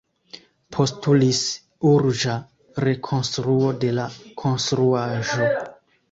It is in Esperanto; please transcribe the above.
Postulis urĝa rekonstruo de la konstruaĵo.